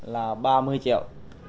là ba mươi triệu